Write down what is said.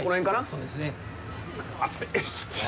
そうですね。